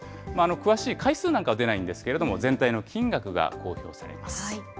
詳しい回数なんかは出ないんですけれども、全体の金額が公表されます。